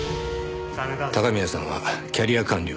高宮さんはキャリア官僚。